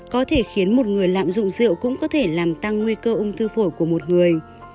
có thể khiến một người lạm dụng rượu cũng có thể làm tăng nguy cơ ung thư phổi của một người